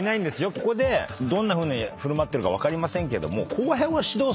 ここでどんなふうに振る舞ってるか分かりませんけども。